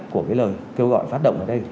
của lời kêu gọi phát động ở đây